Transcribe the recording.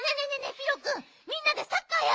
ピロくんみんなでサッカーやろうよ。